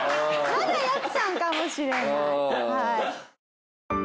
まだやくさんかもしれない。